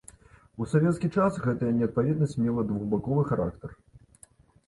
У савецкі час гэтая неадпаведнасць мела двухбаковы характар.